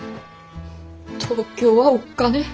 東京はおっかね。